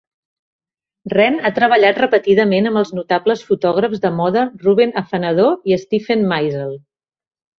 Renn ha treballat repetidament amb els notables fotògrafs de moda Ruven Afanador i Steven Meisel.